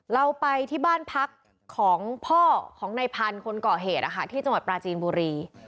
เราไปที่บ้านพักของพ่อของในพันธุ์คนก่อเหตุที่จังหวัดปราจีนบุรี